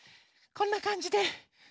こんなかんじで。